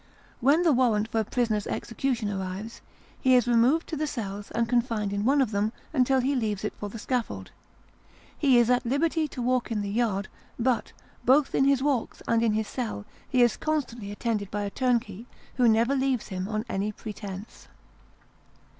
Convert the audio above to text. When the warrant for a prisoner's execution arrives, he is removed to the cells and confined in one of them until he leaves it for the scaffold. He is at liberty to walk in the yard; but, both in his walks and in his cell, he is constantly attended by a turnkey who never leaves him on any pretence.